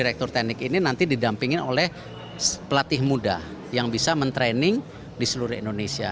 direktur teknik ini nanti didampingin oleh pelatih muda yang bisa mentraining di seluruh indonesia